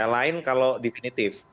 lain kalau definitif